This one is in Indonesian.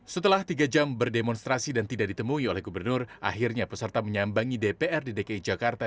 setelah tiga jam berdemonstrasi dan tidak ditemui oleh gubernur akhirnya peserta menyambangi dpr di dki jakarta